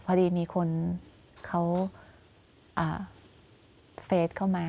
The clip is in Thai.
พอดีมีคนเขาเฟสเข้ามา